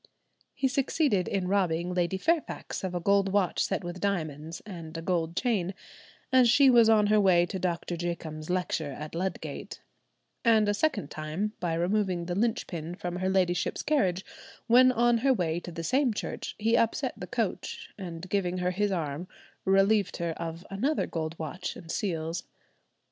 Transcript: He succeeded in robbing Lady Fairfax of a gold watch set with diamonds, and a gold chain, as she was on her way to Doctor Jacomb's lecture at Ludgate; and a second time by removing the linchpin from her ladyship's carriage when on her way to the same church, he upset the coach, and giving her his arm, relieved her of another gold watch and seals.